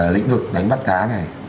lĩnh vực đánh bắt cá này